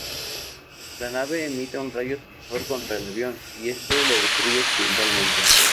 La nave emite un rayo tractor contra el avión y este lo destruye accidentalmente.